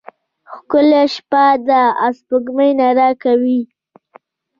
ښکلی شپه ده او سپوږمۍ رڼا کوي.